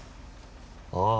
ああ